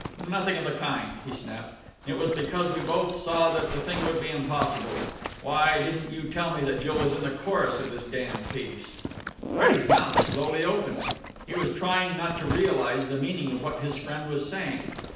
"Nothing of the kind!" he snapped. "It was because we both saw that the thing would be impossible. Why didn't you tell me that Jill was in the chorus of this damned piece?" Freddie's mouth slowly opened. He was trying not to realize the meaning of what his friend was saying.